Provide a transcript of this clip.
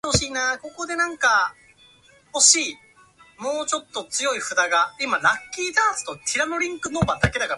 業務を代替し合うのが難しい